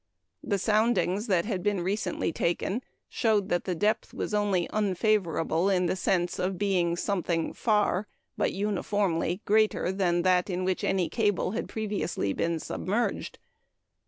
The soundings that had been recently taken showed that the depth was only unfavorable in the sense of being something far but uniformly greater than that in which any cable had previously been submerged.